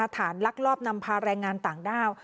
ลักลอบนำพาแรงงานต่างด้าว